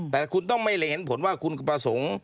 แต่คุณต้องไม่เห็นผลว่าคุณประสงค์